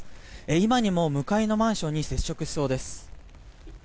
今にも向かいのマンションに接触しそうです。